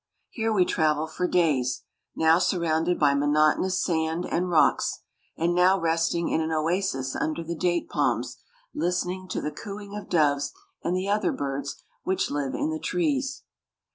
Here we travel for days, now surrounded by monotonous sand and rocks, and now resting in an oasis under the date palms, listening to the cooing of doves and the other birds which live in the trees.